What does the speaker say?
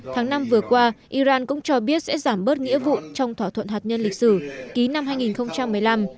tháng năm vừa qua iran cũng cho biết sẽ giảm bớt nghĩa vụ trong thỏa thuận hạt nhân lịch sử ký năm hai nghìn một mươi năm